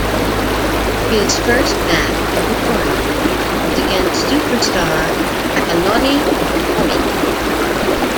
His first match in the tournament was against superstar Takanori Gomi.